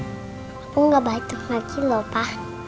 aku gak baik baik lagi loh pa